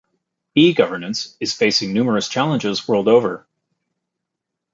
E-governance is facing numerous challenges world over.